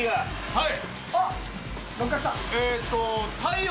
はい。